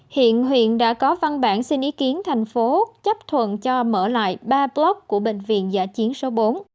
hiện huyện đã có văn bản xin ý kiến thành phố chấp thuận cho mở lại ba toát của bệnh viện giả chiến số bốn